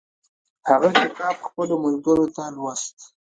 هغه کتاب خپلو ملګرو ته لوست.